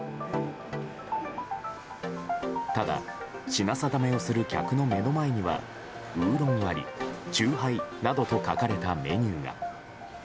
ただ、品定めをする客の目の前にはウーロン割り、チュウハイなどと書かれたメニューが。